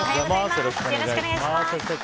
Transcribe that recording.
よろしくお願いします。